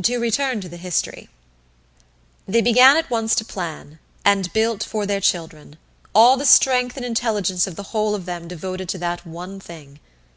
To return to the history: They began at once to plan and built for their children, all the strength and intelligence of the whole of them devoted to that one thing.